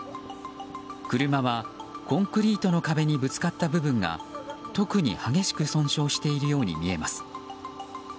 車はコンクリートの壁にぶつかった部分が特に激しく損傷しているように見えます。